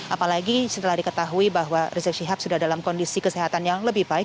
apalagi setelah diketahui bahwa rizik syihab sudah dalam kondisi kesehatan yang lebih baik